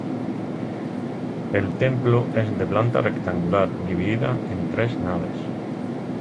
El templo es de planta rectangular, dividida en tres naves.